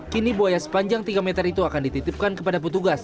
kini buaya sepanjang tiga meter itu akan dititipkan kepada petugas